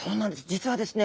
実はですね